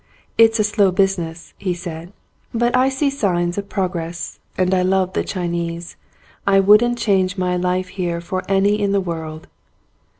"It's a slow business," he said, "but I see signs of progress and I love the Chinese. I wouldn't change my life here for any in the world."